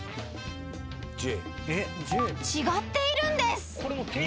［違っているんです！］